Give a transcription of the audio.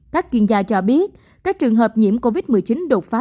các chuyên gia cho biết các trường hợp nhiễm covid một mươi chín đột phá